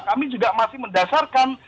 kami juga masih mendasarkan